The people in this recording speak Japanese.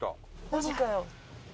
マジかよ。